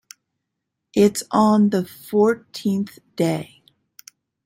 It's on the fourteenth day.